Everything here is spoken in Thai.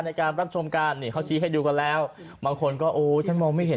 ในการรับชมกันนี่เขาชี้ให้ดูกันแล้วบางคนก็โอ้ฉันมองไม่เห็น